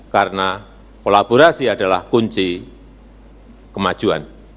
karena kolaborasi adalah kunci kemajuan